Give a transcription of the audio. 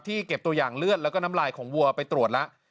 เก็บตัวอย่างเลือดแล้วก็น้ำลายของวัวไปตรวจแล้ว